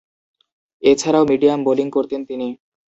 এছাড়াও medium bowling করতেন তিনি।